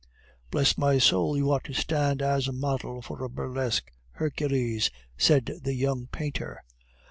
"Bless my soul, you ought to stand as model for a burlesque Hercules," said the young painter.